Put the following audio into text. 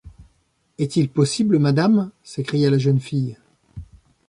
Est-il possible, Madame ! s’écria la jeune fille ;